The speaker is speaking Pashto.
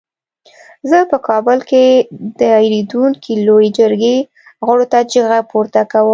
زه په کابل کې د دایریدونکې لویې جرګې غړو ته چیغه پورته کوم.